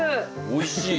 おいしい。